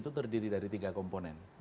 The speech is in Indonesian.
dan terdiri dari tiga komponen